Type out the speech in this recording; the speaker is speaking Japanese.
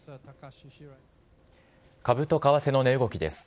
株と為替の値動きです。